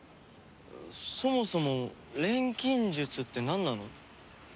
そもそも錬金術ってなんなの？